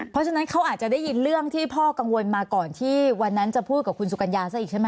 เพราะฉะนั้นเขาอาจจะได้ยินเรื่องที่พ่อกังวลมาก่อนที่วันนั้นจะพูดกับคุณสุกัญญาซะอีกใช่ไหม